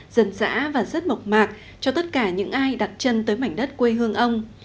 dần dã và rất mộc mạc cho tất cả những ai đặt chân tới mảnh đất quê hương ông